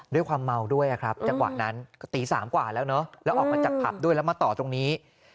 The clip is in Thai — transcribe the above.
ด้วยความเมาด้วยครับจังหวะนั้นก็ตี๓กว่าแล้วเนอะแล้วออกมาจากผับด้วยแล้วมาต่อตรงนี้